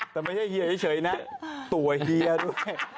แต่ไม่ใช่เยี้ยงเฉยน๊ะตัวเยี้ยล่ะด้วย